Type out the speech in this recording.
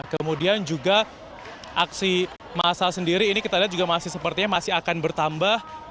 kemudian juga aksi massa sendiri ini kita lihat juga masih sepertinya masih akan bertambah